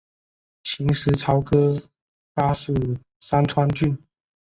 秦时朝歌邑属三川郡。